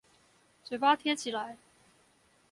嘴巴貼起來